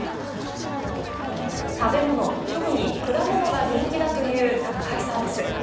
食べ物特に果物が人気だという宅配サービス。